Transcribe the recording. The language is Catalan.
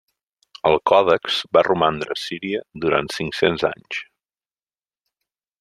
El còdex va romandre a Síria durant cinc-cents anys.